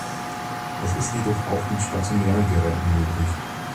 Es ist jedoch auch mit stationären Geräten möglich.